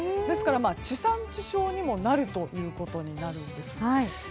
ですから、地産地消にもなるということになるんですね。